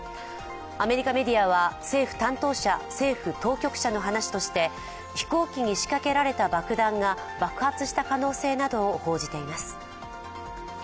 アメリカメディアは政府当局者の話として飛行機に仕掛けられた爆弾が爆発した可能性などを報じています。